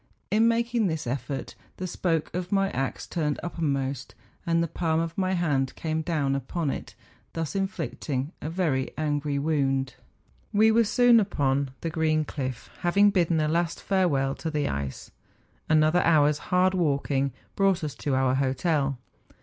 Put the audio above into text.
In making this effort, the spoke of my axe turned uppermost, and the palm of my hand came down upon it, thus inflicting a very angry wound. We were soon upon the green cliff, having bidden a last farewell to the THE FINSTERAARHORN. 51 ice. Anotlier hour's liard walking brought us to our hotel.